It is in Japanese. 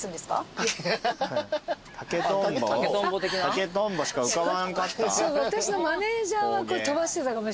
竹とんぼしか浮かばんかった？